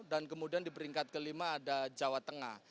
dan kemudian di peringkat kelima ada jawa tengah